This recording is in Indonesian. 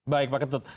baik pak ketut